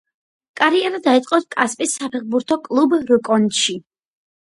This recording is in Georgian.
კარიერა დაიწყო კასპის საფეხბურთო კლუბ „რკონში“.